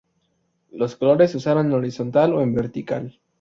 Los colores se usaron en horizontal o vertical.